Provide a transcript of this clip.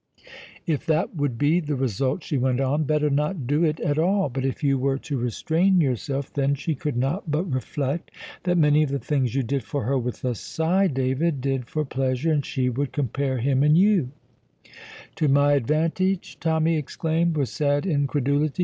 "If that would be the result," she went on, "better not do it at all. But if you were to restrain yourself, then she could not but reflect that many of the things you did for her with a sigh David did for pleasure, and she would compare him and you " "To my disadvantage?" Tommy exclaimed, with sad incredulity.